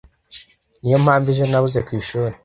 niyo mpamvu ejo nabuze ku ishuri